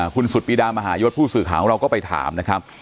คุณสุดปีดามหายศผู้สื่อข่าวของเราก็ไปถามนะครับ